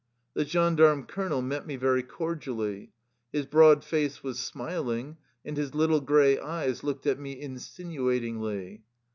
The gendarme colonel met me very cordially. His broad face was smiling, and his little gray eyes looked at me insinuatingly.